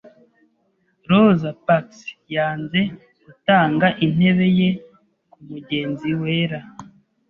Rosa Parks yanze gutanga intebe ye kumugenzi wera.